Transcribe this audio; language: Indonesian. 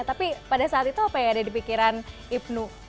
tapi pada saat itu apa yang ada di pikiran ibnu